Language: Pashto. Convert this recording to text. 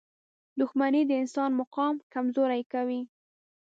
• دښمني د انسان مقام کمزوری کوي.